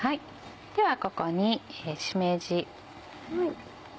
ではここにしめじ。